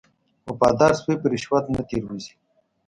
وفادار سپی په رشوت نه تیر وځي.